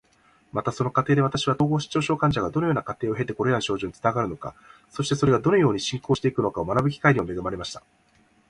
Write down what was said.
また、その過程で私は、統合失調症患者がどのような過程を経てこれらの症状につながるのか、そしてそれがどのように進行していくのかを学ぶ機会にも恵まれました。